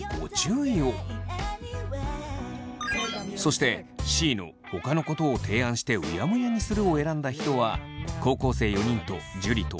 そしてＣの「他のことを提案してうやむやにする」を選んだ人は高校生４人と樹と大我。